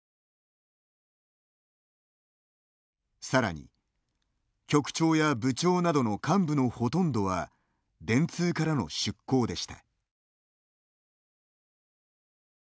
さらに、局長や部長などの幹部のほとんどは電通からの出向でした。